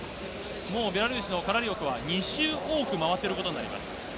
もう、ベラルーシのカラリオクは、２周多く回ってることになります。